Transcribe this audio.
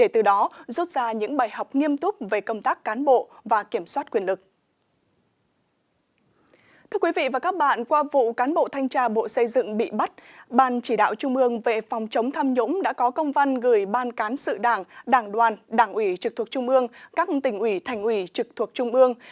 thường trực ban chỉ đạo trung ương về phòng chống tham nhũng đã có công văn gửi ban cán sự đảng đảng đoàn đảng ủy trực thuộc trung ương các tỉnh ủy thành ủy trực thuộc trung ương